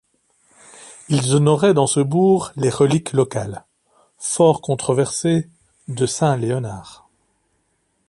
Ils honoraient dans ce bourg les reliques locales, fort controversées, de saint Léonard.